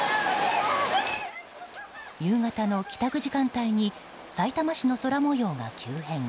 夕方の帰宅時間帯にさいたま市の空模様が急変。